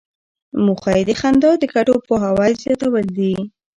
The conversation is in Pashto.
موخه یې د خندا د ګټو پوهاوی زیاتول دي.